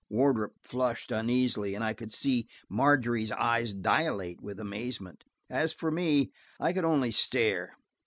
Wardrop flushed uneasily, and I could see Margery's eyes dilate with amazement. As for me, I could only stare.